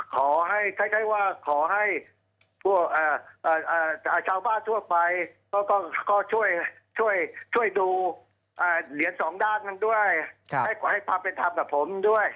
ก็ขอให้ชาวบ้านทั่วไปก็ช่วยดูเหลียนสองด้านนั้นด้วยให้พาไปทำกับผมด้วย